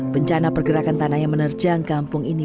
bencana pergerakan tanah yang menerjang kampung ini